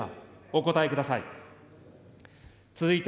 お答えください。